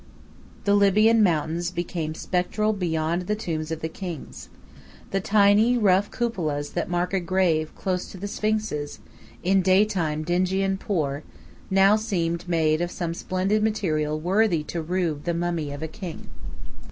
The Libyan mountains became spectral beyond the tombs of the kings. The tiny, rough cupolas that mark a grave close to the sphinxes, in daytime dingy and poor, now seemed made of some splendid material worthy to roof the mummy of a king.